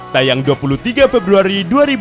tayang dua puluh tiga februari dua ribu dua puluh